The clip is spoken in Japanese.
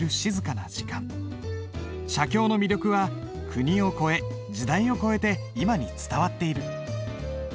写経の魅力は国を超え時代を超えて今に伝わっている。